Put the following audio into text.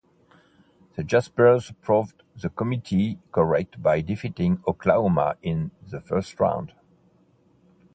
The Jaspers proved the committee correct by defeating Oklahoma in the first round.